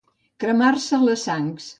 Cremar-se les sangs.